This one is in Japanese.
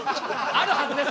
あるはずです。